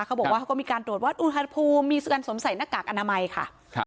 เขาบอกว่าเขาก็มีการตรวจวัดอุทธภูมิมีส่วนสมใสหน้ากากอนามัยค่ะ